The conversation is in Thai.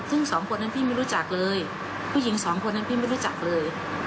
ซึ่งสองคนนั้นพี่ไม่รู้จักเลยผู้หญิงสองคนนั้นพี่ไม่รู้จักเลย